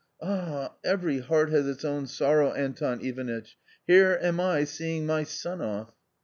"Ah, every heart has its own sorrow, Anton Ivanitch, here am I seeing my son off."